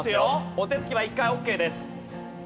お手つきは１回オッケーです。